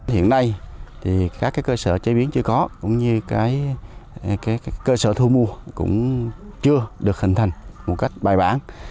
hiện nay thì các cơ sở chế biến chưa có cũng như cơ sở thu mua cũng chưa được hình thành một cách bài bản